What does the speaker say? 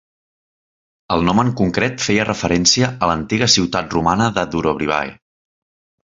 El nom en concret feia referència a l'antiga ciutat romana de Durobrivae.